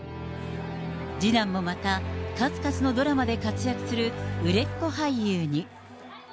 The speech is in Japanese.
次男もまた、数々のドラマで活躍する売れっ子俳優に。